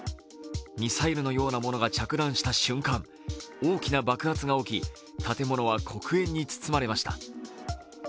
ミサイルのようなものが着弾した瞬間大きな爆発が起き、建物は黒煙に包まれました。